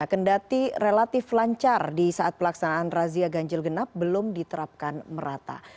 kendati relatif lancar di saat pelaksanaan razia ganjil genap belum diterapkan merata